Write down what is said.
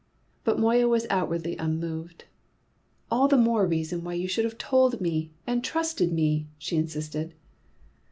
But Moya was outwardly unmoved. "All the more reason why you should have told me, and trusted me," she insisted.